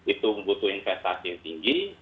itu butuh investasi yang tinggi